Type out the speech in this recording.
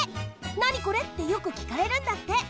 「なにこれ？」ってよくきかれるんだって。